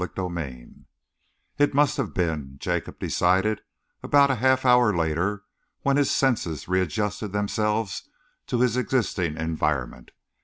CHAPTER XIII It must have been, Jacob decided, about half an hour later when his senses readjusted themselves to his existing environment.